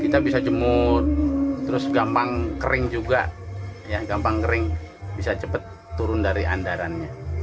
terus gampang kering juga ya gampang kering bisa cepat turun dari andarannya